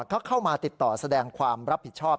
ก็เข้ามาติดต่อแสดงความรับผิดชอบ